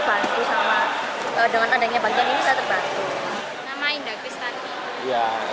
nama indah kristani